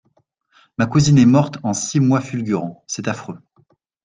Ma cousine est morte en six mois fulgurants, c'est affreux.